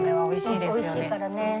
おいしいからね。